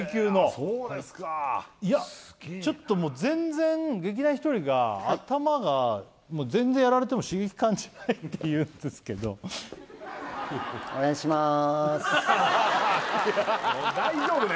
そうですかいやちょっともう全然劇団ひとりが頭が全然やられても刺激感じないっていうんですけど大丈夫ね？